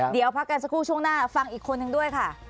เดี๋ยวพักกันสักครู่ช่วงหน้าฟังอีกคนนึงด้วยค่ะ